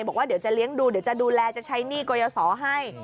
บอกว่าเดี๋ยวจะเลี้ยงดูเดี๋ยวจะดูแลจะใช้หนี้กรยาศรให้